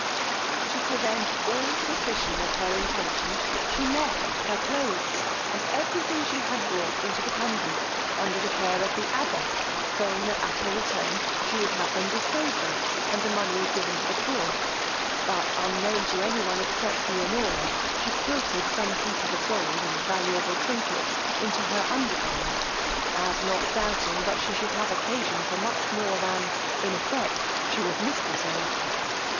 To prevent all suspicion of her intention she left her cloaths, and every thing she had brought into the convent, under the care of the abbess, saying, that, at her return, she would have them disposed of, and the money given to the poor: but, unknown to any one except Leonora, she quilted some pieces of gold and valuable trinkets into her undergarment, as not doubting but she should have occasion for much more than, in effect, she was mistress of.